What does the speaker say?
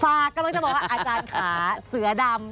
กำลังจะบอกว่าอาจารย์ขาเสือดำ